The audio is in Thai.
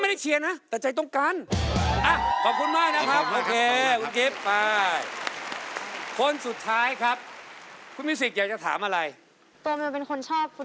๕ทีเดี๋ยวคอยดูพี่ป๋อง